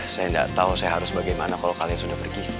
saya gak tau saya harus bagaimana kalo kalian sudah pergi